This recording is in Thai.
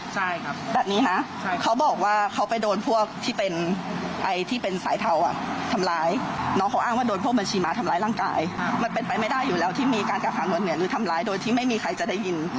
ช่าสั่งจากกล้องจรปิงหรือทำลายโดยที่ไม่มีใครที่จะได้ยิน